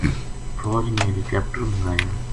فوج نے ہیلی کاپٹر منگایا